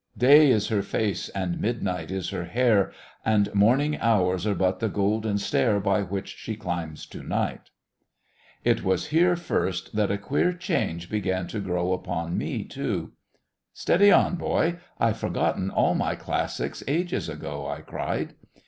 _" "Day is her face, and midnight is her hair, And morning hours are but the golden stair By which she climbs to Night." It was here first that a queer change began to grow upon me too. "Steady on, boy! I've forgotten all my classics ages ago," I cried.